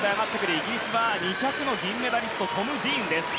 イギリスは２００ｍの銀メダリストトム・ディーンです。